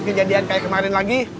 kejadian kayak kemarin lagi